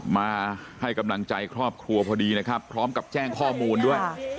มาให้กำลังใจครอบครัวพอดีนะครับพร้อมกับแจ้งข้อมูลด้วย